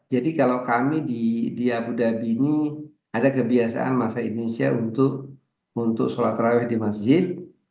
jadi kalau kami di abu dhabi ini ada kebiasaan masa indonesia untuk sholat rahwa di masjid